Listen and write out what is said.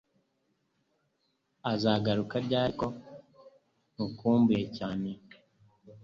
Azagaruka ryari ko nkukumbuye cyane